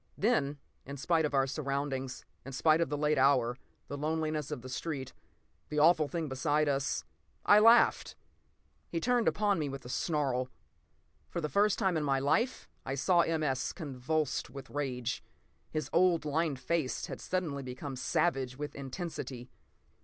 Then, in spite of our surroundings, in spite of the late hour, the loneliness of the street, the awful thing beside us, I laughed. He turned upon me with a snarl. For the first time in my life I saw M. S. convulsed with rage. His old, lined face had suddenly become savage with intensity.